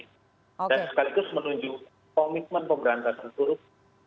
dan sekaligus menuju komitmen pemberantasan turut